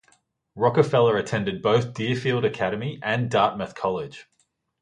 Rockefeller attended both Deerfield Academy and Dartmouth College.